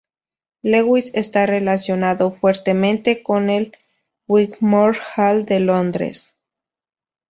Lewis esta relacionado fuertemente con el Wigmore Hall de Londres.